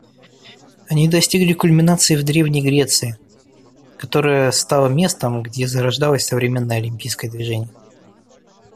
Они достигли кульминации в древней Греции, которая стала местом, где зарождалось современное Олимпийское движение.